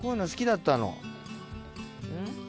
うん？